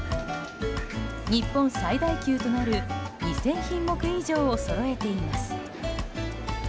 日本最大級となる２０００品目以上をそろえています。